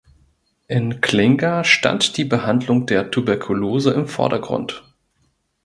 In Klinga stand die Behandlung der Tuberkulose im Vordergrund.